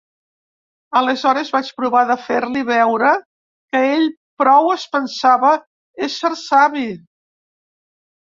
Aleshores vaig provar de fer-li veure que ell prou es pensava ésser savi.